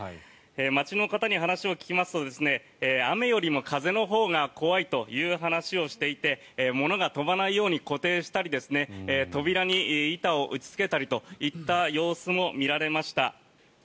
街の方に話を聞きますと雨よりも風のほうが怖いという話をしていて物が飛ばないように固定したり扉に板を打ちつけたりといった様子も見られました。